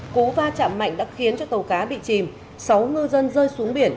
cú va chạm mạnh đã khiến cho tàu cá bị chìm sáu ngư dân rơi xuống biển